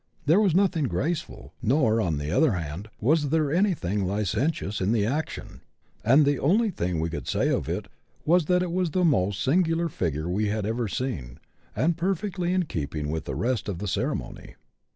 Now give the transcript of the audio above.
There was nothing graceful, nor, on the other hand, was there anything licentious in the action ; and the only thing we could say of it was, that it was the most singular figure we had ever seen, and perfectly in keeping with the rest of the ceremony.